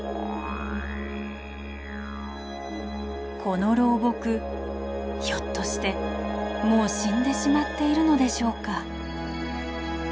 この老木ひょっとしてもう死んでしまっているのでしょうか？